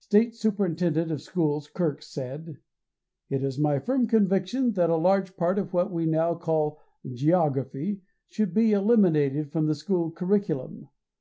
State Superintendent of Schools Kirk, said: "It is my firm conviction that a large part of what we now call 'geography' should be eliminated from the school curriculum.